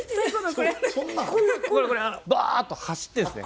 これはバーッと走ってるんですね。